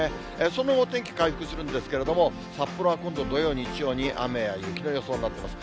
その後、お天気回復するんですけれども、札幌は今度、土曜、日曜に雨や雪の予想になっています。